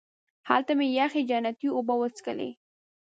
هلته مې یخې جنتي اوبه وڅښلې.